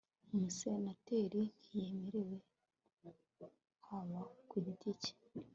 umusenateri ntiyemerewe haba ku giti cye